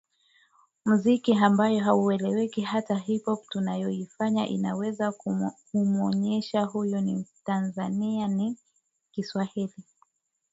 muziki ambao haueleweki hata hip hop tunayoifanya inayoweza kumuonesha huyu ni mtanzania ni Kiswahili